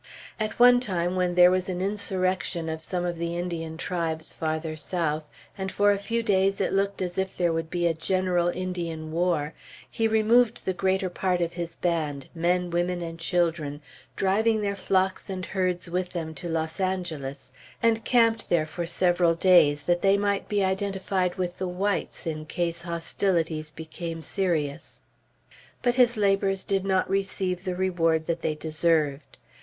At one time when there was an insurrection of some of the Indian tribes farther south, and for a few days it looked as if there would be a general Indian war, he removed the greater part of his band, men, women, and children driving their flocks and herds with them, to Los Angeles, and camped there for several days, that they might be identified with the whites in case hostilities became serious. But his labors did not receive the reward that they deserved.